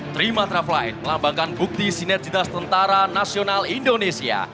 trimatra flight melambangkan bukti sinergitas tentara nasional indonesia